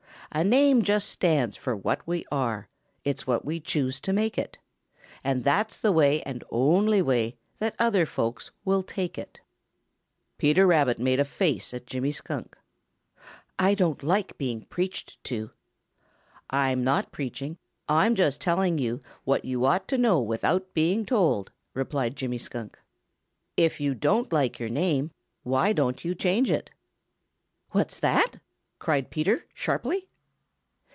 A name just stands for what we are; It's what we choose to make it. And that's the way and only way That other folks will take it." Peter Rabbit made a face at Jimmy Skunk. "I don't like being preached to." "I'm not preaching; I'm just telling you what you ought to know without being told," replied Jimmy Skunk. "If you don't like your name, why don't you change it?" "What's that?" cried Peter sharply.